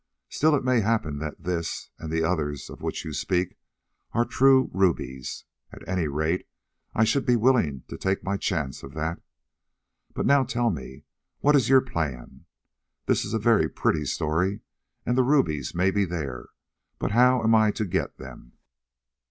Still it may happen that this, and the others of which you speak, are true rubies; at any rate I should be willing to take my chance of that. But now, tell me, what is your plan? This is a very pretty story, and the rubies may be there, but how am I to get them?"